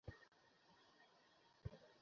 তবে গলার স্বর কোঁপে যাচ্ছিল বারবার।